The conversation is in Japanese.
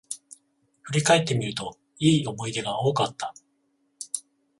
振り返ってみると、良い思い出が多かった